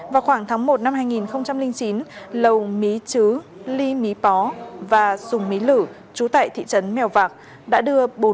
vào khoảng tháng một năm hai nghìn chín lầu mí chứ ly mí pó và dùng mí lử chú tại thị trấn mèo vào